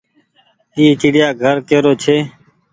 اي ڇڙيآ گهر ڪي رو ڇي۔